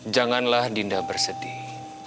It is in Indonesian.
janganlah dinda bersedih